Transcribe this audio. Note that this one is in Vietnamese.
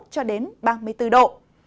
cho đến ba mươi bốn độ